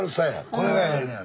これがええねや。